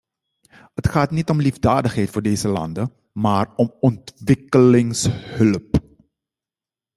Het gaat niet om liefdadigheid voor deze landen, maar om ontwikkelingshulp.